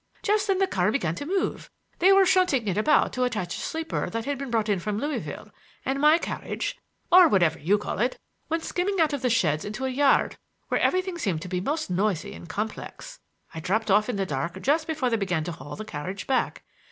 Just then the car began to move,—they were shunting it about to attach a sleeper that had been brought in from Louisville and my carriage, or whatever you call it, went skimming out of the sheds into a yard where everything seemed to be most noisy and complex. I dropped off in the dark just before they began to haul the carriage back.